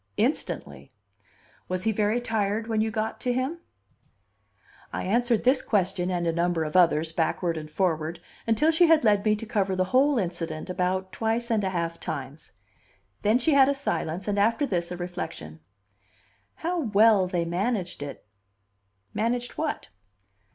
"Instantly." "Was he very tired when you got to him?" I answered this question and a number of others, backward and forward, until she had led me to cover the whole incident about twice and a half times. Then she had a silence, and after this a reflection. "How well they managed it!" "Managed what?"